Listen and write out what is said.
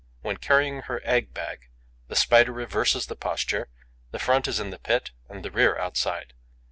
When carrying her egg bag, the Spider reverses the posture: the front is in the pit, the rear outside.